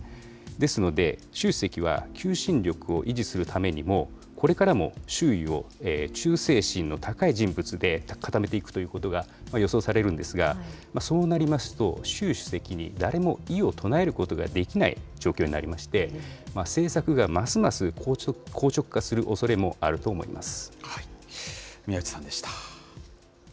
ですので、習主席は求心力を維持するためにも、これからも周囲を忠誠心の高い人物で固めていくということが予想されるんですが、そうなりますと、習主席に誰も異を唱えることができない状況になりまして、政策がますます硬直化するおそれもあると思います。